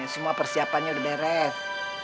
semua persiapannya udah beres